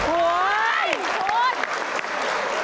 โอ๊ยพุธ